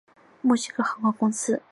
墨西哥航空公司。